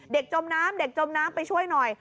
เด็กจมน้ำไปช่วยหน่อย